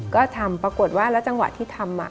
ก็ทำปรากฏว่าแล้วจังหวะที่ทำ